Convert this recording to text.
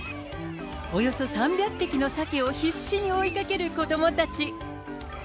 およそ３００匹のサケを必死に追いかける子どもたち。